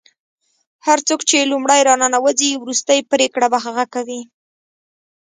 هر څوک چې لومړی راننوځي وروستۍ پرېکړه به هغه کوي.